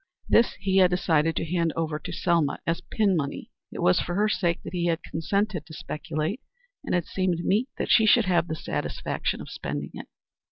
This he had decided to hand over to Selma as pin money. It was for her sake that he had consented to speculate, and it seemed meet that she should have the satisfaction of spending it.